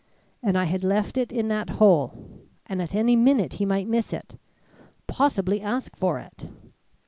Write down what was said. And I had left it in that hole and at any minute he might miss it possibly ask for it!